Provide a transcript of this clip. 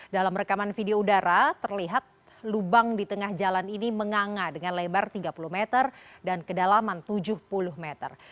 dalam rekaman video udara terlihat lubang di tengah jalan ini menganga dengan lebar tiga puluh meter dan kedalaman tujuh puluh meter